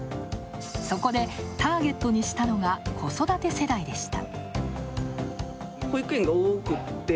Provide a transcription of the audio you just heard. そこで、ターゲットにしたのが子育て世代でした。